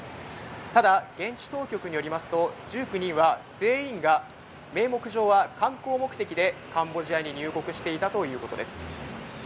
ただ現地当局によりますと、１９人は全員が名目上は観光目的でカンボジアに入国していたということです。